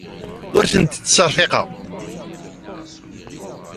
Ur tent-ttserfiqeɣ.